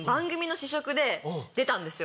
で出たんですよ。